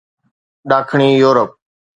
ڏاکڻي يورپ